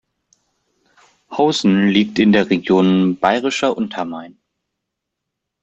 Hausen liegt in der Region Bayerischer Untermain.